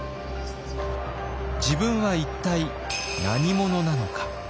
自分は一体何者なのか。